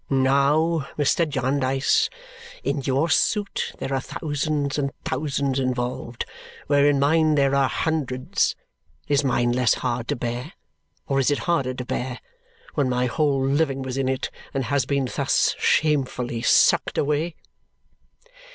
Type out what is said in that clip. Now, Mr. Jarndyce, in your suit there are thousands and thousands involved, where in mine there are hundreds. Is mine less hard to bear or is it harder to bear, when my whole living was in it and has been thus shamefully sucked away?"